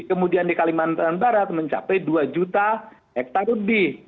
kemudian di kalimantan barat mencapai dua juta hektare lebih